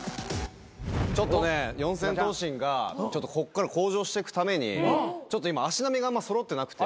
ちょっとね四千頭身がこっから向上してくためにちょっと今足並みが揃ってなくて。